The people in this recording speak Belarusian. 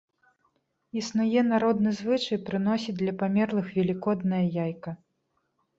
Існуе народны звычай прыносіць для памерлых велікоднае яйка.